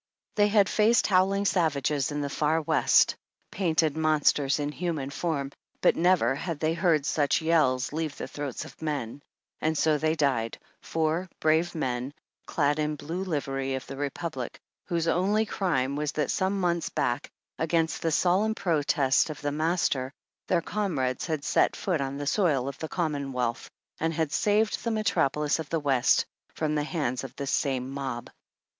They had faced howling savages in the far West, painted mon sters in human form, but never had they heard such yells leave the throats of men ; and so they died, four brave men, clad in the blue livery of the Republic, whose only crime was that some months back, against the solemn protest of the Master, their comrades had set foot on the soil of the commonwealth, and saved the Metropolis of the West from the hands of this same mob.